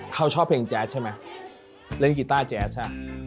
เขาชอบเพลงแจ๊ดใช่ไหมเล่นกีต้าแจ๊สอ่ะ